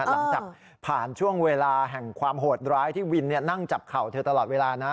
หลังจากผ่านช่วงเวลาแห่งความโหดร้ายที่วินนั่งจับเข่าเธอตลอดเวลานะ